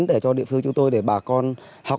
để cho địa phương chúng tôi để bà con học